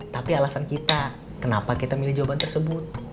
tapi alasan kita kenapa kita milih jawaban tersebut